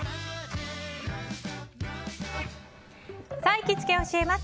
行きつけ教えます！